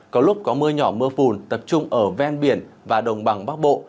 có lúc có mưa nhỏ mưa phùn tập trung ở ven biển và đồng bằng bắc bộ